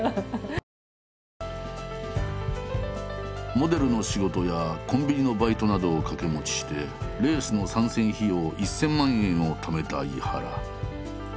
モデルの仕事やコンビニのバイトなどを掛け持ちしてレースの参戦費用１，０００万円をためた井原。